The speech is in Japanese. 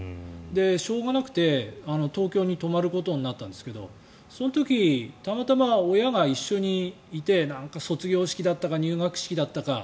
しょうがなくて、東京に泊まることになったんですけどその時、たまたま親が一緒にいて卒業式だったか入学式だったか。